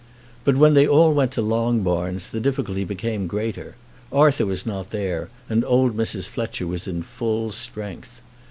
But when they all went to Longbarns, the difficulty became greater. Arthur was not there, and old Mrs. Fletcher was in full strength.